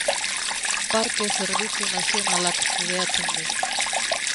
Parke Zerbitzu Nazionalak kudeatzen du.